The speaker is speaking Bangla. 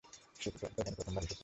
সে কি এখানে প্রথমবার এসেছে?